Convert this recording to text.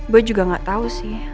gue juga gak tahu sih